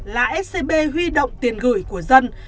là scb huy động tiền gửi của dân